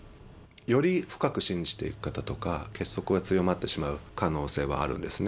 より深く信じている方とか、結束が強まってしまう可能性はあるんですね。